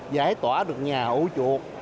giải tỏa được nhà ủ chuột